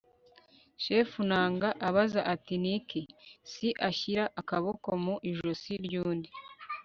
chief nanga abaza ati 'niki, s.i.', ashyira akaboko mu ijosi ry'undi